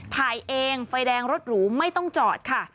ถ่ายเองไฟแดงรถหรูไม่ต้องจอดค่ะ